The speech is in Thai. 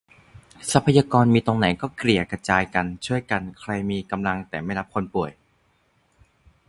ทรัพยากรมีตรงไหนก็เกลี่ยกระจายกัน ช่วยกัน ใครมีกำลังแต่ไม่รับคนป่วย